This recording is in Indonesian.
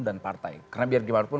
dan partai karena biar gimana pun